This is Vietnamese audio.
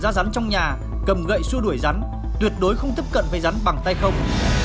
ra rắn trong nhà cầm gậy xua đuổi rắn tuyệt đối không tiếp cận với rắn bằng tay không